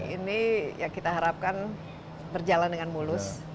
ini ya kita harapkan berjalan dengan mulus